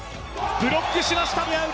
ブロックしました。